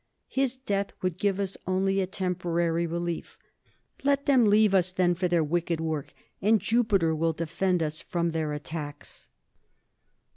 His death would give us only a temporary relief. Let them leave us then for their wicked work, and Jupiter will defend us from their attacks.